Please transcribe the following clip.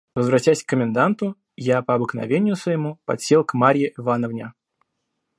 Возвратясь к коменданту, я, по обыкновению своему, подсел к Марье Ивановне.